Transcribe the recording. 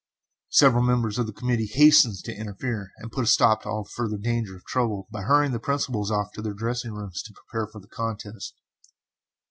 Several members of the committee hastened to interfere, and put a stop to all further danger of trouble by hurrying the principals off to their dressing rooms to prepare for the contest.